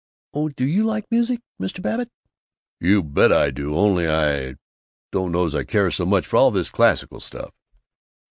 "Oh Do you like music, Mr. Babbitt?" "You bet I do! Only I don't know 's I care so much for all this classical stuff."